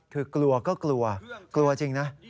คือกลัวก็กลัวกลัวจริงนะ